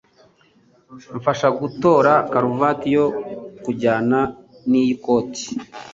Mfasha gutora karuvati yo kujyana niyi koti.